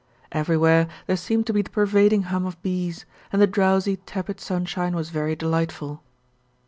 Everywhere there seemed to be the pervading hum of bees, and the drowsy, tepid sunshine was very delightful.